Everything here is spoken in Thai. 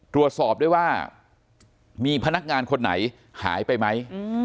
ตรวจสอบด้วยว่ามีพนักงานคนไหนหายไปไหม